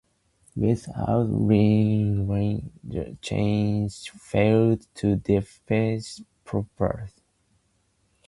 Without reelin, the chain-migrating neuroblasts failed to detach properly.